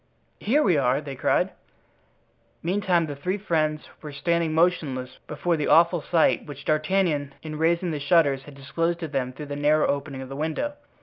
"Here we are!" they cried. Meantime the three friends were standing motionless before the awful sight which D'Artagnan, in raising the shutters, had disclosed to them through the narrow opening of the window.